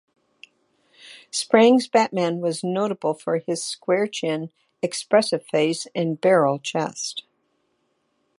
Sprang's Batman was notable for his square chin, expressive face and barrel chest.